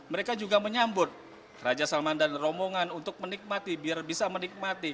mereka juga menyambut raja salman dan rombongan untuk menikmati biar bisa menikmati